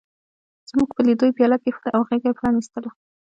زموږ په لیدو یې پياله کېښوده او غېږه یې پرانستله.